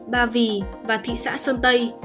ba vì và thị xã sơn tây